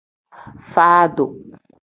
Fadu.